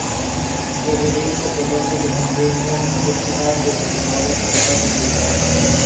Brock completed her undergraduate degree in chemistry at the University of Washington.